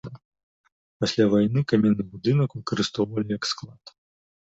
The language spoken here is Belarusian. Пасля вайны каменны будынак выкарыстоўвалі як склад.